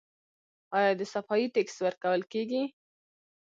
آیا د صفايي ټکس ورکول کیږي؟